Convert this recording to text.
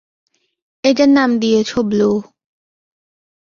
এটার নাম দিয়েছ ব্লু।